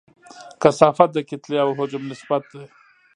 کثافت د کتلې او حجم نسبت دی.